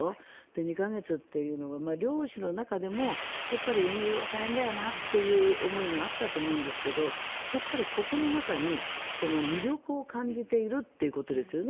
２か月というのは漁師の中でも、やっぱり遠洋は大変だよなという思いがあったと思うんですがここの中に魅力を感じているということですよね。